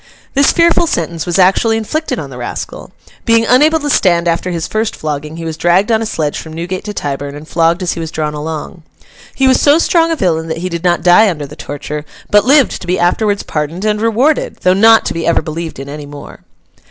This fearful sentence was actually inflicted on the rascal. Being unable to stand after his first flogging, he was dragged on a sledge from Newgate to Tyburn, and flogged as he was drawn along. He was so strong a villain that he did not die under the torture, but lived to be afterwards pardoned and rewarded, though not to be ever believed in any more.